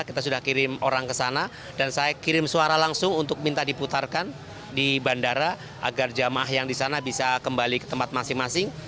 kita sudah kirim orang ke sana dan saya kirim suara langsung untuk minta diputarkan di bandara agar jamaah yang di sana bisa kembali ke tempat masing masing